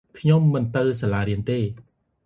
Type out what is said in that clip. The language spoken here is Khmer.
ខ្ញុំមិនចង់ទៅសាលារៀនទេ ។